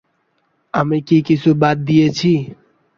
আমি কি কিছু বাদ দিয়েছি?